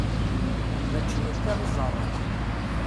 Mačči akka i ẓẓareɣ.